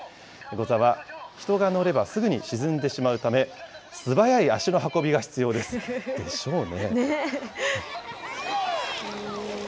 ゴザは人が乗ればすぐに沈んでしまうため、素早い足の運びが必要です。でしょうね。